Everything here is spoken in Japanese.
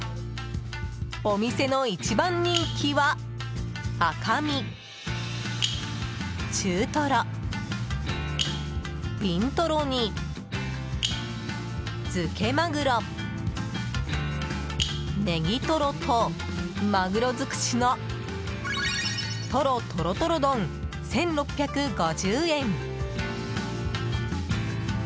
お店の一番人気は赤身、中トロ、ビントロに漬けマグロ、ネギトロとマグロづくしのトロとろとろ丼、１６５０円。